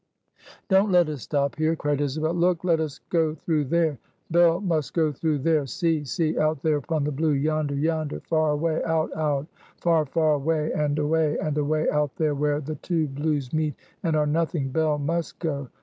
"Don't let us stop here" cried Isabel. "Look, let us go through there! Bell must go through there! See! see! out there upon the blue! yonder, yonder! far away out, out! far, far away, and away, and away, out there! where the two blues meet, and are nothing Bell must go!"